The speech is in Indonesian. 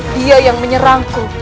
dia yang menyerangku